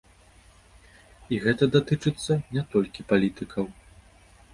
І гэта датычыцца не толькі палітыкаў.